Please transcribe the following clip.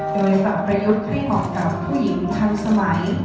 โดยฝากประยุกต์คลี่หอกกับผู้หญิงทั้งสมัย